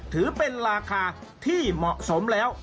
ถือเป็นราคาที่เหมาะสมแล้ว